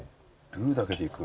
ルーだけでいく？